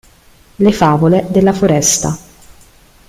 Le favole della foresta